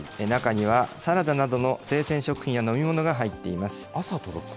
中にはサラダなどの生鮮食品や飲み物が入っています。